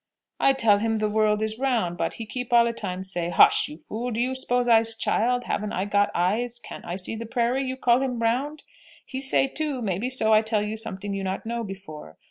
"I tell him the world is round, but he keep all e'time say, Hush, you fool! do you spose I'ze child? Haven't I got eyes? Can't I see the prairie? You call him round? He say, too, maybe so I tell you something you not know before.